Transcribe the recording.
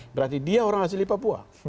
berarti dia orang asli papua